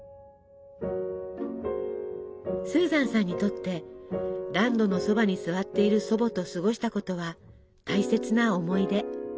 スーザンさんにとって暖炉のそばに座っている祖母と過ごしたことは大切な思い出。